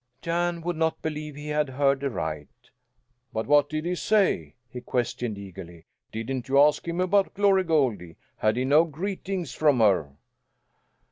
Jan would not believe he had heard aright. "But what did he say?" he questioned eagerly. "Didn't you ask him about Glory Goldie? Had he no greetings from her?"